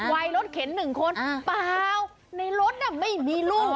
วัยรถเข็นหนึ่งคนเปล่าในรถน่ะไม่มีลูก